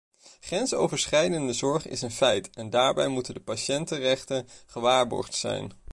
Grensoverschrijdende zorg is een feit en daarbij moeten de patiëntenrechten gewaarborgd zijn.